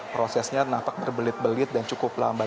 prosesnya nampak berbelit belit dan cukup lambat